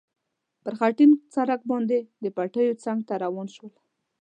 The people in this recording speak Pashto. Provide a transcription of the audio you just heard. پر خټین سړک باندې د پټیو څنګ ته روان شول.